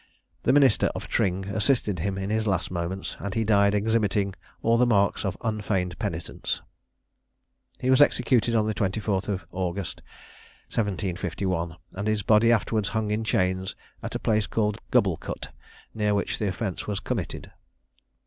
The minister of Tring assisted him in his last moments, and he died exhibiting all the marks of unfeigned penitence. He was executed on the 24th of August 1751, and his body afterwards hung in chains at a place called Gubblecut, near which the offence was committed.